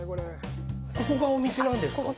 ここがお店なんですか。